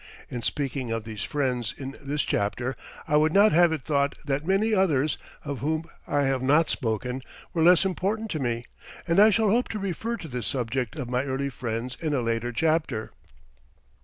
In speaking of these friends in this chapter, I would not have it thought that many others, of whom I have not spoken, were less important to me, and I shall hope to refer to this subject of my early friends in a later chapter.